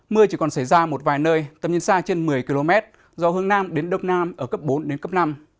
mưa chỉ còn xảy ra một vài nơi tầm nhìn xa trên một mươi km gió hướng nam đến đông nam ở cấp bốn đến cấp năm